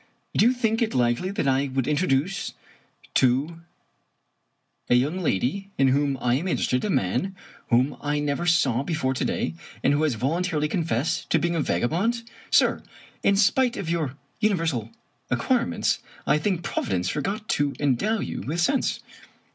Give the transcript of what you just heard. Do you think it likely that I would introduce to a young lady in whom I am interested a man whom I never saw before to day, and who has voluntarily confessed to being a vagabond ? Sir, in spite of your universal acquirements, I think Providence forgot to endow you with sense."